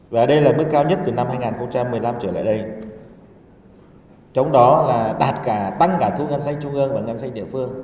và đây là mức kỳ đầu năm